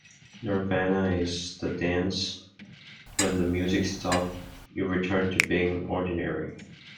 Nirvana is the dance; when the music stops, you return to being ordinary.